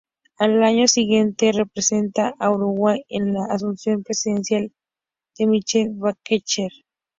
Al año siguiente representa a Uruguay en la asunción presidencial de Michelle Bachelet.